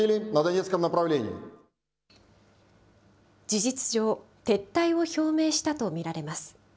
事実上、撤退を表明したと見られます。